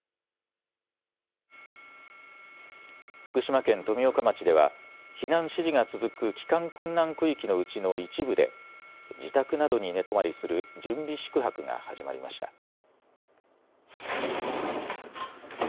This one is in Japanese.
福島県富岡町では避難指示が続く帰還困難区域のうちの一部で自宅などに寝泊まりする準備宿泊が始まりました。